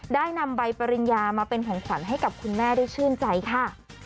ได้นำใบปริญญามาเป็นของขวัญให้กับคุณแม่ได้ชื่นใจค่ะ